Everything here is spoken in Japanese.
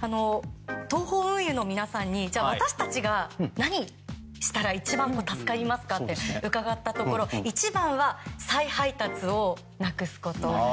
東邦運輸の皆さんに私たちが何をしたら一番助かりますかと伺ったところ一番は再配達をなくすこと。